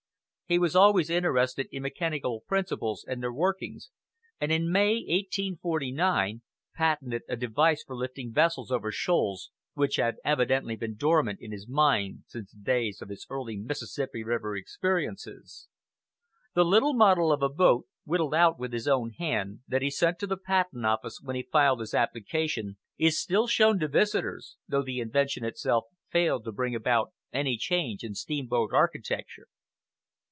He was always interested in mechanical principles and their workings, and in May, 1849, patented a device for lifting vessels over shoals, which had evidently been dormant in his mind since the days of his early Mississippi River experiences. The little model of a boat, whittled out with his own hand, that he sent to the Patent Office when he filed his application, is still shown to visitors, though the invention itself failed to bring about any change in steamboat architecture.